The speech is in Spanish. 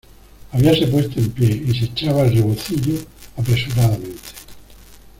habíase puesto en pie, y se echaba el rebocillo apresuradamente: